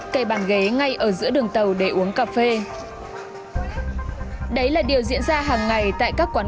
cây bàn ghế ngay ở giữa đường tàu để uống cà phê đấy là điều diễn ra hàng ngày tại các quán